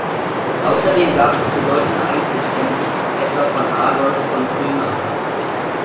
Außerdem gab es bedeutende Einzelspenden, etwa von Adolf von Kröner.